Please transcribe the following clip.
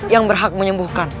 yang berhak menyembuhkan